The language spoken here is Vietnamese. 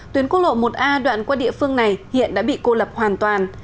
tuyến quốc lộ một a đoạn qua địa phương này hiện đã bị cô lập hoàn toàn